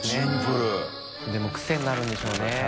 松島）でもクセになるんでしょうね。